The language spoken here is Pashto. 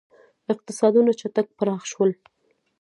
• اقتصادونه چټک پراخ شول.